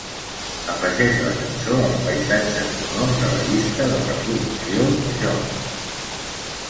Afegeix la cançó als paisatges sonors de la llista de reproducció "Jocs".